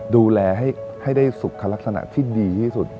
ดูแลให้ได้สุขลักษณะที่ดีที่สุด